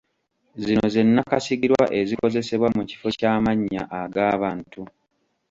Zino ze nakasigirwa ezikozesebwa mu kifo ky'amannya ag'abantu